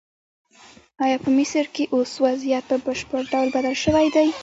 ایا په مصر کې اوس وضعیت په بشپړ ډول بدل شوی دی؟